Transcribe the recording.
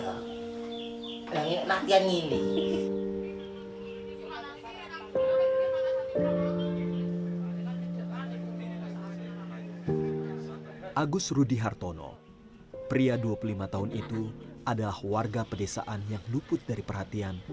agus rudy hartono pria dua puluh lima tahun itu adalah warga pedesaan yang luput dari perhatian